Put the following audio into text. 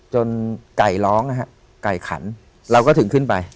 ไก่ร้องนะฮะไก่ขันเราก็ถึงขึ้นไป